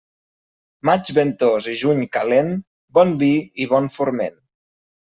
Maig ventós i juny calent, bon vi i bon forment.